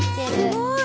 すごい。